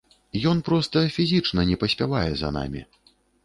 Ён проста фізічна не паспявае за намі.